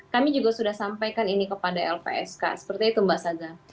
kami juga sudah sampaikan ini kepada lpsk seperti itu mbak saza